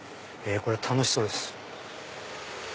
これ楽しそうです。